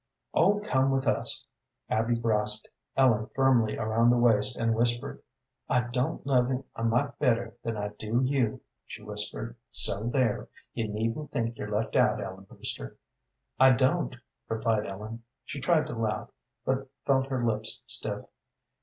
"Oh, come with us." Abby grasped Ellen firmly around the waist and kissed her. "I don't love him a mite better than I do you," she whispered; "so there! You needn't think you're left out, Ellen Brewster." "I don't," replied Ellen. She tried to laugh, but she felt her lips stiff.